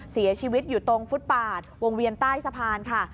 เสียชีวิตอยู่ตรงฟุตปาดวงเวียนใต้สะพานค่ะ